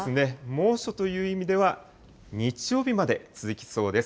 猛暑という意味では、日曜日まで続きそうです。